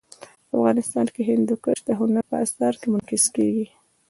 افغانستان کي هندوکش د هنر په اثارو کي منعکس کېږي.